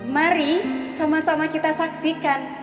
mari sama sama kita saksikan